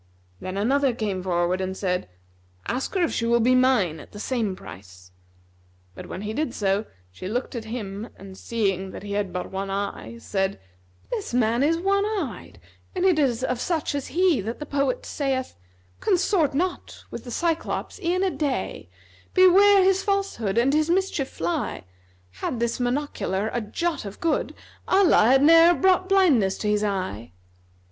Then another came forward and said, "Ask her if she will be mine at the same price;" but, when he did so, she looked at him and seeing that he had but one eye, said, "This man is one eyed; and it is of such as he that the poet saith,[FN#270] 'Consort not with the Cyclops e'en a day; * Beware his falsehood and his mischief fly: Had this monocular a jot of good, * Allah had ne'er brought blindness to his eye!'"